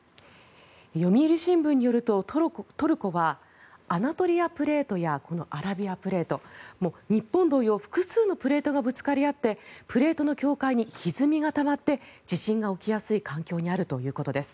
読売新聞によるとトルコはアナトリアプレートやこのアラビアプレート日本同様複数のプレートがぶつかり合ってプレートの境界にひずみがたまって地震が起きやすい環境にあるということです。